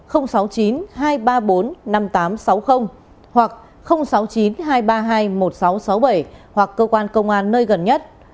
sáu mươi chín hai trăm ba mươi bốn năm nghìn tám trăm sáu mươi hoặc sáu mươi chín hai trăm ba mươi hai một nghìn sáu trăm sáu mươi bảy hoặc cơ quan công an nơi gần nhất